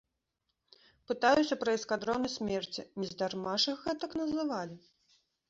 Пытаюся пра эскадроны смерці, нездарма ж іх гэтак назвалі?